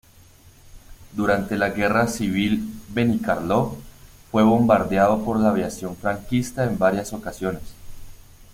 Durante la guerra civil Benicarló, fue bombardeado por la aviación franquista en varias ocasiones.